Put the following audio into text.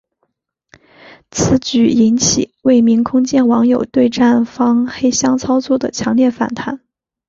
此举引起未名空间网友对站方黑箱操作的强烈反弹。